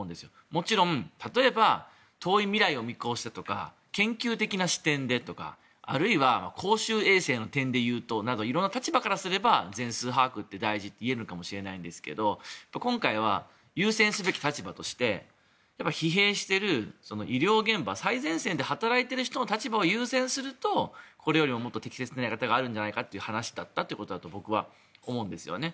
もちろん、例えば遠い未来を見越してとか研究的な視点でとかあるいは公衆衛生の点で言うとなど色んな立場からすれば全数把握って大事って言えるのかもしれないんですが今回は優先すべき立場として疲弊している医療現場最前線で働いている人の立場を優先するとこれよりもっと適切なやり方があるんじゃないかという話なんじゃないかと僕は思うんですよね。